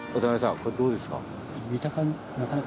これどうですか？